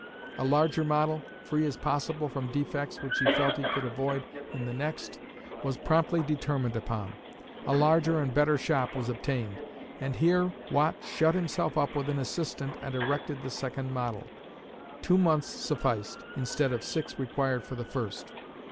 A larger model, free as possible from defects which he felt he could avoid in the next, was promptly determined upon. A larger and better shop was obtained, and here Watt shut himself up with an assistant and erected the second model. Two months sufficed, instead of six required for the first.